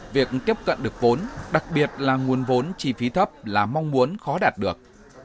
việc tiếp cận được vốn đặc biệt là nguồn vốn chi phí thấp là mong muốn khó đạt được